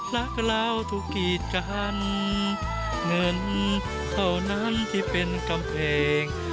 รักแล้วธุกิจกันเงินเท่านั้นที่เป็นกำเพลง